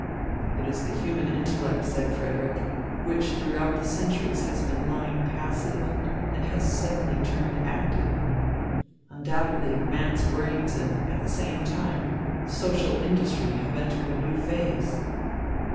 "It is the human intellect," said Frederick, "which throughout the centuries has been lying passive and has suddenly turned active. Undoubtedly man's brains and, at the same time, social industry have entered a new phase."